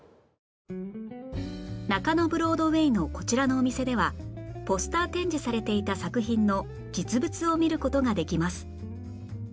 中野ブロードウェイのこちらのお店ではポスター展示されていた作品の実物を見る事ができます